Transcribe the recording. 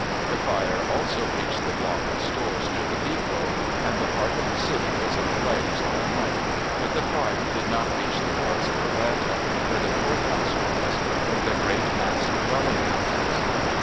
The fire also reached the block of stores near the depot, and the heart of the city was in flames all night, but the fire did not reach the parts of Atlanta where the court house was, or the great mass of dwelling houses.